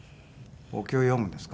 お経を読むんですか？